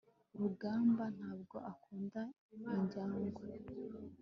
rugamba ntabwo akunda injangwe